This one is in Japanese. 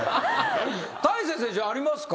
大勢選手ありますか？